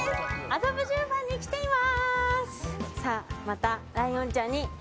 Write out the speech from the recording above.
麻布十番に来ています。